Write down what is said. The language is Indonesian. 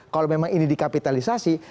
kalau memang ini dikapitalisasi